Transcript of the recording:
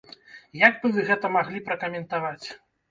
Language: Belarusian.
Як бы вы гэта маглі пракаментаваць?